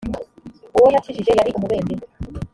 uwo yakijije yari umubembe